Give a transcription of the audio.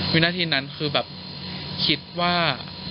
วินาทีนั้นคือว่า